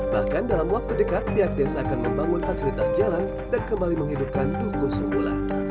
bahkan dalam waktu dekat pihak desa akan membangun fasilitas jalan dan kembali menghidupkan buku sunggulan